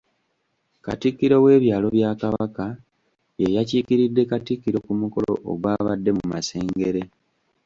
Katikkiro w’ebyalo bya Kabaka y'eyakiikiridde Katikkiro ku mukolo ogwabadde mu Masengere.